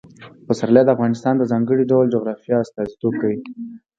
پسرلی د افغانستان د ځانګړي ډول جغرافیه استازیتوب کوي.